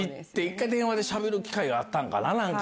一回電話でしゃべる機会があったんかな。